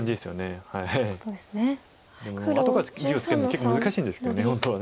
結構難しいんですけど本当は。